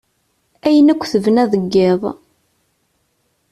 Ayen akk tebna deg yiḍ.